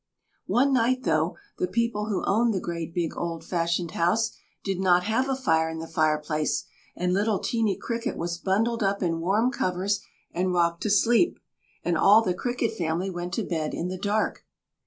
One night, though, the people who owned the great big old fashioned house did not have a fire in the fireplace, and little Teeny Cricket was bundled up in warm covers and rocked to sleep, and all the Cricket family went to bed in the dark.